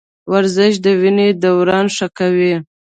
ورزش د وینې دوران ښه کوي.